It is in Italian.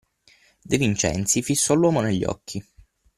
De Vincenzi fissò l’uomo negli occhi.